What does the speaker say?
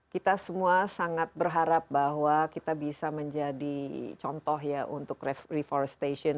kita semua sangat berharap bahwa kita bisa menjadi contoh ya untuk refores station